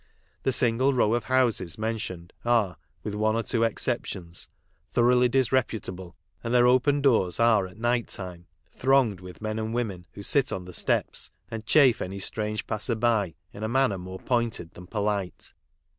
The single row of houses mentioned are, with one or two exceptions, thoroughly dis reputable, and their open doors are at night time thronged with men and women, who sit on the steps and chaff any strange passer by in a manner more pointed than polite.